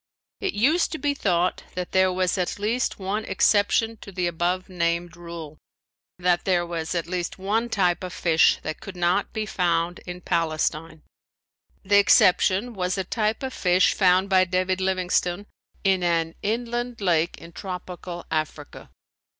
It used to be thought that there was at least one exception to the above named rule: that there was at least one type of fish that could not be found in Palestine. The exception was a type of fish found by David Livingstone in an inland lake in tropical Africa.